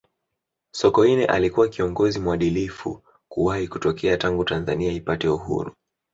sokoine alikuwa kiongozi mwadilifu kuwahi kutokea tangu tanzania ipate uhuru